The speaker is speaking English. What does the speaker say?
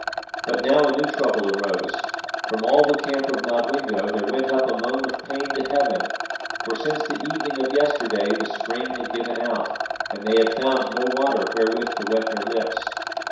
But now a new trouble arose: from all the camp of Nodwengo there went up a moan of pain to Heaven, for since the evening of yesterday the spring had given out, and they had found no water wherewith to wet their lips.